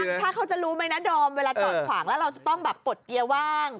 ถ้าเขาจะรู้ไหมนะดอมเวลาจอดขวางแล้วเราจะต้องแบบปลดเกียร์ว่าง